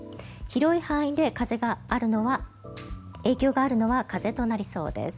広い範囲で影響があるのは風となりそうです。